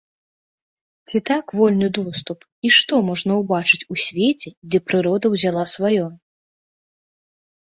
Ці так вольны доступ, і што можна ўбачыць у свеце, дзе прырода ўзяла сваё?